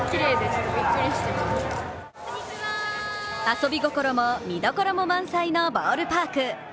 遊び心も見どころも満載のボールパーク。